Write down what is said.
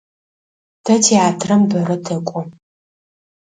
Тэ театрэм бэрэ тэкӏо.